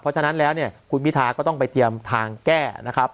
เพราะฉะนั้นแล้วเนี่ยคุณพิทาก็ต้องไปเตรียมทางแก้นะครับ